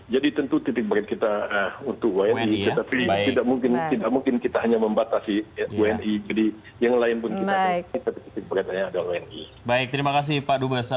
jadi tentu titik berat kita untuk wni